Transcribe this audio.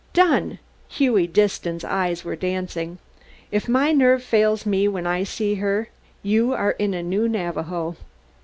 "Done!" Hughie Disston's eyes were dancing. "If my nerve fails me when I see her, you are in a new Navajo."